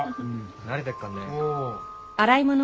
慣れてっかんね。